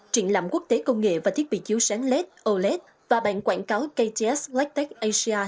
triển lãm quốc tế công nghệ và thiết bị chiếu sáng led oled và bảng quảng cáo kts black tech asia